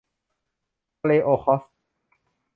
ทะเลโอค็อตสค์